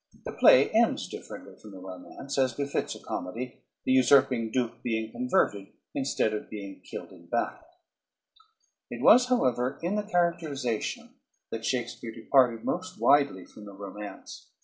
The play ends differently from the romance, as befits a comedy, the usurping duke being converted instead of being killed in battle. It was, however, in the characterization that Shakespeare departed most widely from the romance.